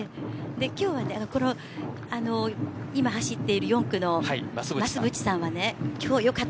今日は今、走っている４区の増渕さんはね今日はよかった。